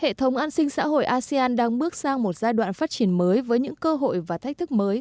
hệ thống an sinh xã hội asean đang bước sang một giai đoạn phát triển mới với những cơ hội và thách thức mới